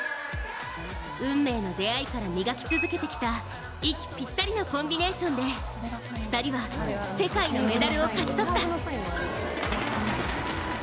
運命の出会いから磨き続けてきた息ぴったりのコンビネーションで２人は、世界のメダルを勝ち取った。